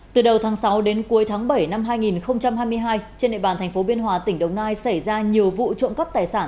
từ đầu tháng sáu đến cuối tháng bảy năm hai nghìn hai mươi hai trên địa bàn thành phố biên hòa tỉnh đồng nai xảy ra nhiều vụ trộm cắp tài sản